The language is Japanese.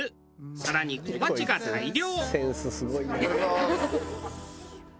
更に小鉢が大量！